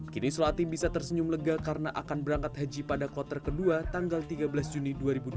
kini sulati bisa tersenyum lega karena akan berangkat haji pada kloter kedua tanggal tiga belas juni dua ribu dua puluh